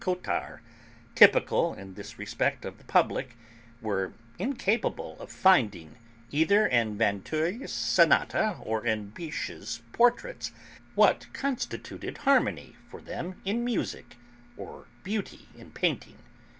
Cottard, typical, in this respect, of the public, were incapable of finding, either in Vinteuil's sonata or in Biche's portraits, what constituted harmony, for them, in music or beauty in painting.